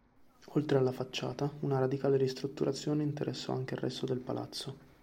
Oltre alla facciata, una radicale ristrutturazione interessò anche il resto del palazzo.